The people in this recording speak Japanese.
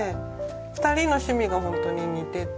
２人の趣味がホントに似てて。